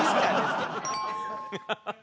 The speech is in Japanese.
ハハハハ！